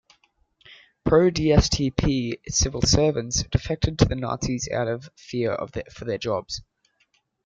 Pro-DstP civil servants defected to the Nazis out of fear for their jobs.